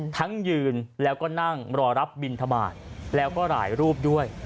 ทั้งยืนแล้วก็นั่งรอรับบินทบาทแล้วก็หลายรูปด้วย